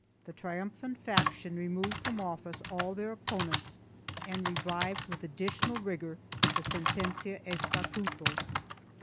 The triumphant faction removed from office all their opponents and revived with addi tional rigor the Sentencia Estatuto.